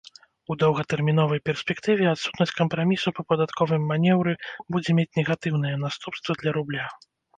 У доўгатэрміновай перспектыве адсутнасць кампрамісу па падатковым манеўры будзе мець негатыўныя наступствы для рубля.